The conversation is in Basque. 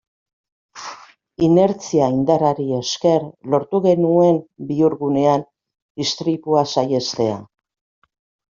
Inertzia indarrari esker lortu genuen bihurgunean istripua saihestea.